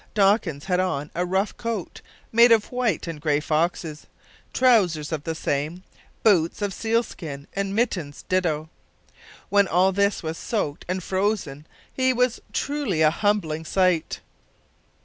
Dawkins had on a rough coat, made of white and grey foxes; trousers of the same; boots of seal skin, and mittens ditto. When all this was soaked and frozen he was truly a humbling sight!